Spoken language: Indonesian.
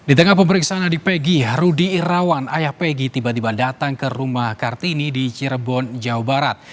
di tengah pemeriksaan adi pegi rudi irawan ayah peggy tiba tiba datang ke rumah kartini di cirebon jawa barat